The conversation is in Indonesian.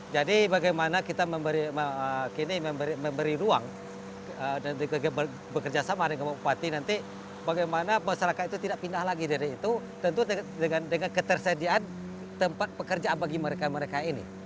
jadi bagaimana kita kini memberi ruang untuk bekerja sama dengan pak bupati nanti bagaimana masyarakat itu tidak pindah lagi dari itu tentu dengan ketersediaan tempat pekerjaan bagi mereka mereka ini